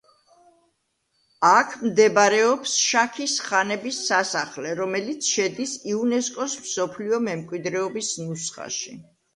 აქ მდებარეობს შაქის ხანების სასახლე რომელიც შედის იუნესკოს მსოფლიო მემკვიდრეობის ნუსხაში.